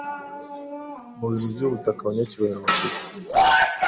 Mubintu byubutaka abanyacyubahiro bafite